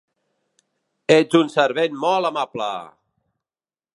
Ets un servent molt amable!